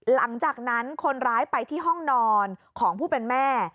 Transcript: หลังจากนั้นคนร้ายไปที่ห้องนอนของผู้เป็นแม่